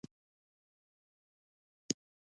استاد د ریښتیا لاره ښيي.